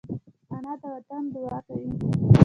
انا د وطن دعا کوي